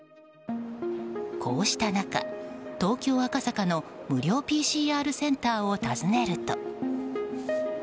こうした中、東京・赤坂の無料ＰＣＲセンターを訪ねると。